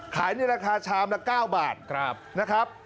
ในราคาชามละ๙บาทนะครับ